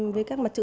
với các mặt chữ